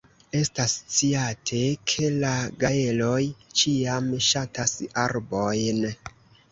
Estas sciate, ke la gaeloj ĉiam ŝatas arbojn.